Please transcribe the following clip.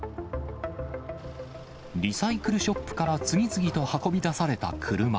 リサイクルショップから次々と運び出された車。